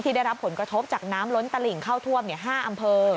ได้รับผลกระทบจากน้ำล้นตลิ่งเข้าท่วม๕อำเภอ